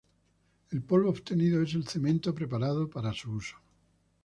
El polvo obtenido es el cemento preparado para su uso.